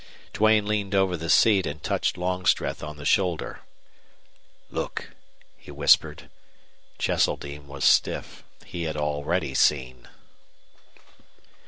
Duane leaned over the seat and touched Longstreth on the shoulder. "Look!" he whispered. Cheseldine was stiff. He had already seen.